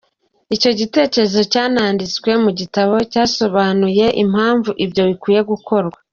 Icyo gitekerezo cyananditswe mu gitabo, cyasobanuye impamvu ibyo bikwiye gukorwa.